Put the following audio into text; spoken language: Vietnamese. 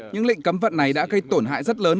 những lệnh cấm vận này đã gây tổn hại rất lớn